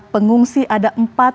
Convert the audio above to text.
pengungsi ada empat puluh delapan